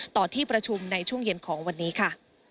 ที่ประชุมในช่วงเย็นของวันนี้ค่ะ